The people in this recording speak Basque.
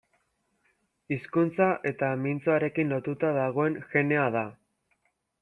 Hizkuntza eta mintzoarekin lotuta dagoen genea da.